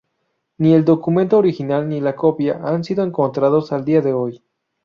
Ni el documento original ni la copia han sido encontrados al día de hoy.